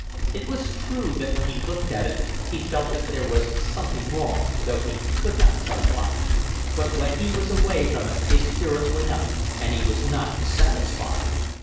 It was true that when he looked at it he felt that there was something wrong, though he could not tell what; but when he was away from it his spirits went up and he was not dissatisfied.